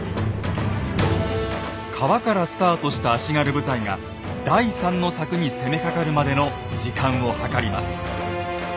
川からスタートした足軽部隊が第３の柵に攻めかかるまでの時間を計ります。